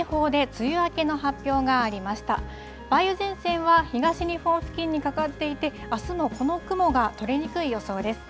梅雨前線は東日本付近にかかっていて、あすも、この雲が取れにくい予想です。